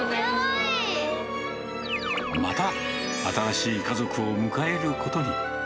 また新しい家族を迎えることに。